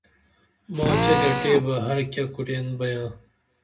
ماچے گٹیبہ ہر کیہ کُرین بیاں